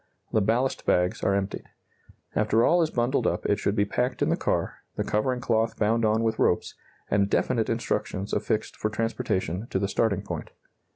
The ballast bags are emptied. After all is bundled up it should be packed in the car, the covering cloth bound on with ropes, and definite instructions affixed for transportation to the starting point.